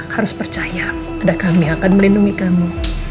harus percaya pada kami akan melindungi kamu